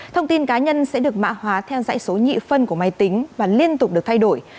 thông tin cá nhân sẽ được mã hóa theo dõi số nhị phân của máy tính và liên tục được thay đổi